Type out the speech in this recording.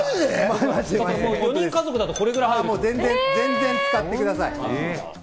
５人家族だと、これぐらい入全然、使ってください。